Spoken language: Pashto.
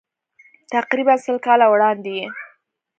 تقریباً سل کاله وړاندې یې.